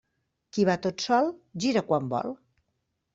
Qui va tot sol, gira quan vol.